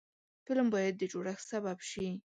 فلم باید د جوړښت سبب شي